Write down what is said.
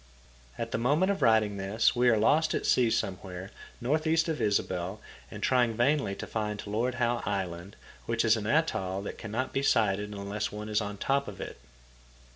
At the moment of writing this we are lost at sea somewhere northeast of Ysabel and trying vainly to find Lord Howe Island, which is an atoll that cannot be sighted unless one is on top of it.